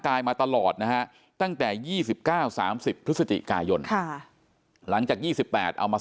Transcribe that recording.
มาตลอดนะฮะตั้งแต่๒๙๓๐พฤศจิกายนหลังจาก๒๘เอามา